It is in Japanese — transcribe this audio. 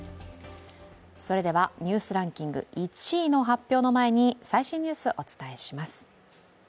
それではニュースランキング１位の発表前に最新ニュース、お伝えします。